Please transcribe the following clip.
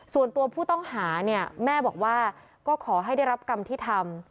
ส่วนตัวผู้ต้องหาเนี่ยแม่บอกว่าก็ขอให้ได้รับกรรมที่ทำ